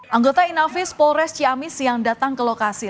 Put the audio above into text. anggota inafis polres ciamis yang datang ke lokasi